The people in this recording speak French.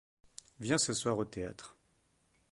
Viens ce soir au théâtre.